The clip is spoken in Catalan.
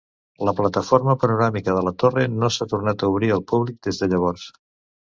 La plataforma panoràmica de la torre no s'ha tornat a obrir al públic des de llavors.